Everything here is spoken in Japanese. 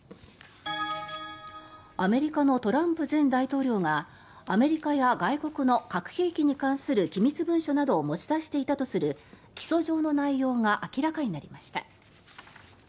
アメリカのトランプ前大統領がアメリカや外国の核兵器に関する機密文書などを持ち出していたとする起訴状の内容が明らかになりました。